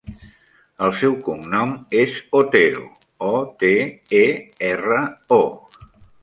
El seu cognom és Otero: o, te, e, erra, o.